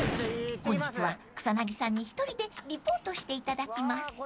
［本日は草薙さんに１人でリポートしていただきます］